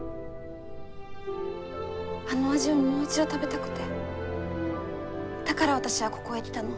あの味をもう一度食べたくてだから私はここへ来たの。